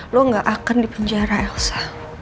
lo gak akan dipenjara elsa